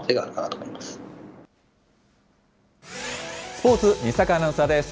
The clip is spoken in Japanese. スポーツ、西阪アナウンサーです。